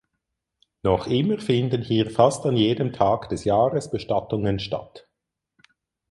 Noch immer finden hier fast an jedem Tag des Jahres Bestattungen statt.